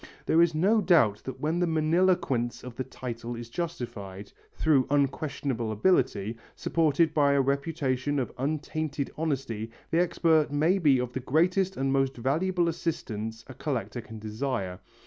There is no doubt that when the magniloquence of the title is justified, through unquestionable ability, supported by a reputation of untainted honesty, the expert may be of the greatest and most valuable assistance a collector can desire.